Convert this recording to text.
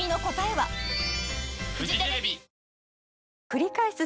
くりかえす